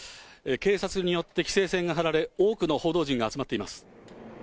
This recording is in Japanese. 警察によって規制線が張られ、多くの報道陣が集まっています。